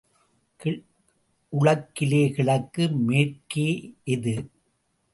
உழக்கிலே கிழக்கு மேற்கு எது?